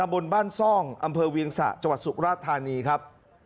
บนบ้านซ่องอำเภอเวียงสะจังหวัดสุราธานีครับ